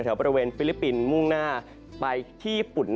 แถวบริเวณฟิลิปปินส์มุ่งหน้าไปที่ญี่ปุ่น